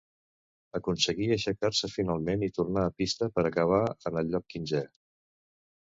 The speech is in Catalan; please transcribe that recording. Aconseguí aixecar-se finalment i tornar a pista per acabar en el lloc quinzè.